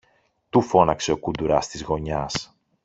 του φώναξε ο κουντουράς της γωνιάς.